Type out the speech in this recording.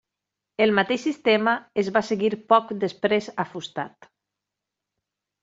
El mateix sistema es va seguir poc després a Fustat.